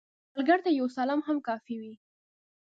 سوالګر ته یو سلام هم کافی وي